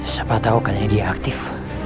siapa tau kali ini dia aktif